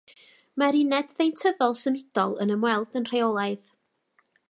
Mae'r uned ddeintyddol symudol yn ymweld yn rheolaidd